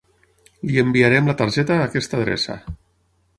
Li enviarem la targeta a aquesta adreça.